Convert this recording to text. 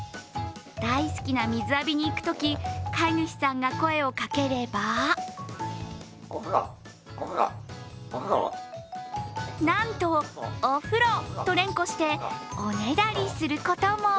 大好きな水浴びに行くとき飼い主さんが声をかければなんと、お風呂と連呼しておねだりすることも。